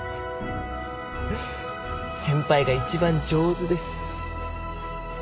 先輩が一番上手です。